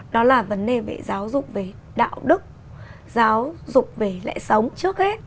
đó là vấn đề về giáo dục về đạo đức giáo dục về lệ sống trước hết